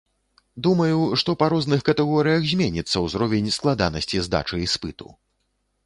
Думаю, што па розных катэгорыях зменіцца ўзровень складанасці здачы іспыту.